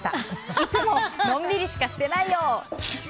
いつものんびりしかしてないよ！